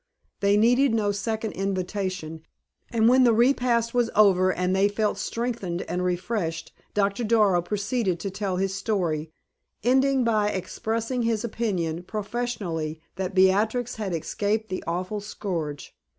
They needed no second invitation, and when the repast was over and they felt strengthened and refreshed, Doctor Darrow proceeded to tell his story, ending by expressing his opinion, professionally, that Beatrix had escaped the awful scourge.